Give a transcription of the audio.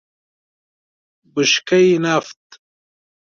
بشکهُ نفت